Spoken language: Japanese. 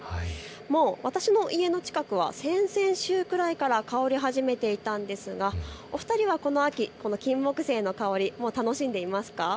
私の家の近くをは先々週くらいから香り始めていたんですがお二人はこの秋、キンモクセイの香り、楽しんでいますか。